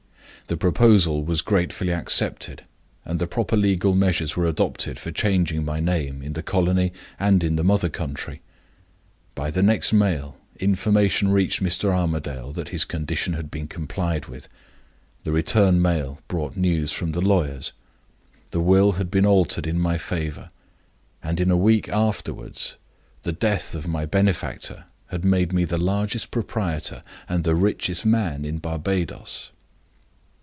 The proposal was gratefully accepted, and the proper legal measures were adopted for changing my name in the colony and in the mother country. By the next mail information reached Mr. Armadale that his condition had been complied with. The return mail brought news from the lawyers. The will had been altered in my favor, and in a week afterward the death of my benefactor had made me the largest proprietor and the richest man in Barbadoes.